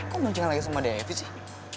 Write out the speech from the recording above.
kok mau jalan lagi sama deyv sih